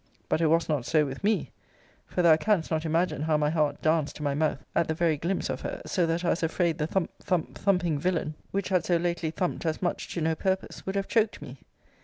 But it was not so with me; for thou canst not imagine how my heart danced to my mouth, at the very glimpse of her; so that I was afraid the thump, thump, thumping villain, which had so lately thumped as much to no purpose, would have choked me.